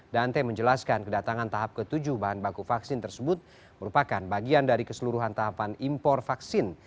dante menjelaskan kedatangan tahap ke tujuh bahan baku vaksin tersebut merupakan bagian dari keseluruhan tahapan impor vaksin